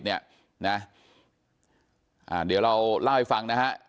เดี๋ยวเราเล่าให้ฟังนะฮะ